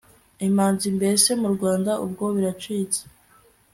imanzi Mbese mu Rwanda ubwo biracitse